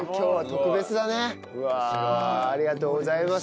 ありがとうございます。